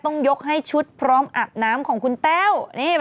ต้องยกให้ชุดพร้อมอาบน้ำของคุณแต้ว